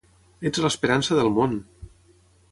Ets l'esperança del món!